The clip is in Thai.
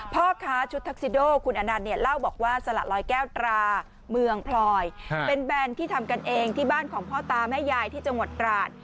พ่อค้าชุดทักซิโดคุณอนันต์เนี่ยเล่าบอกว่าสละลอยแก้วตราเมืองพลอยเป็นแบรนด์ที่ทำกันเองที่บ้านของพ่อตาแม่ยายที่จังหวัดตราด